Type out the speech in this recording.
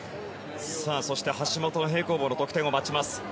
そして、橋本の平行棒の得点を待ちます。